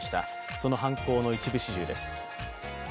その犯行の一部始終です。